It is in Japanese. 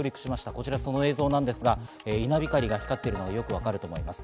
こちらその映像なんですが、稲光が光っているのがよくわかると思います。